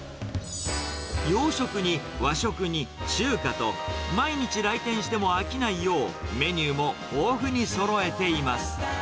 洋食に和食に中華と、毎日来店しても飽きないよう、メニューも豊富にそろえています。